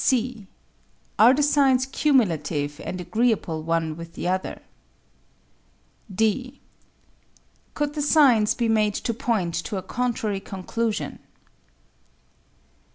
(c) Are the signs cumulative, and agreeable one with the other? (d) Could the signs be made to point to a contrary conclusion?